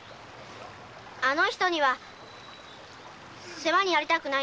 あの人には世話になりたくないんです。